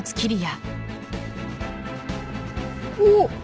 おっ！